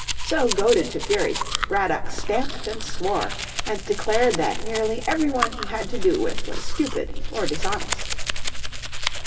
So, goaded to fury Braddock stamped and swore, and declared that nearly every one he had to do with was stupid or dishonest.